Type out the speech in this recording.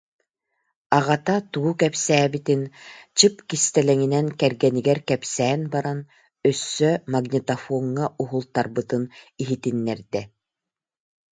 Аҕата тугу кэпсээбитин чып кистэлэҥинэн кэргэнигэр кэпсээн баран, өссө магнитофоҥҥа уһултарбытын иһитиннэрдэ